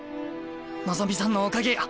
望さんのおかげや。